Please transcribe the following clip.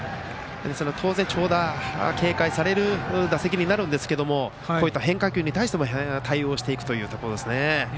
当然、長打を警戒される打席になるんですがこういった変化球に対しても対応していくというところですね。